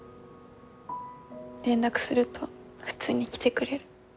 連絡すると普通に来てくれる。